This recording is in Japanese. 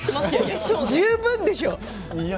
十分でしょう。